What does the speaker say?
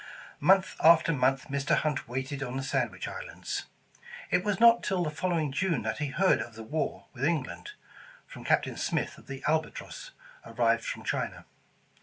Month after month Mr. Hunt waited on the Sand wich Islands. It was not till the following June that he heard of the war with England, from Captain Smith of the Albatross, arrived from China.